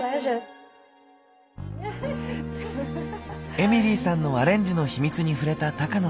エミリーさんのアレンジの秘密に触れた高野さん。